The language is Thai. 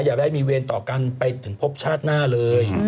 อย่าได้มีเวรต่อกันไปถึงพบชาติหน้าเลย